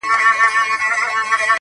لويي څپې به لکه غرونه راځي.!